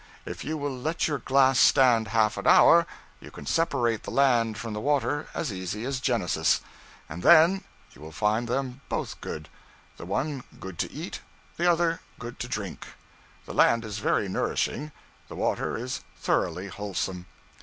If you will let your glass stand half an hour, you can separate the land from the water as easy as Genesis; and then you will find them both good: the one good to eat, the other good to drink. The land is very nourishing, the water is thoroughly wholesome.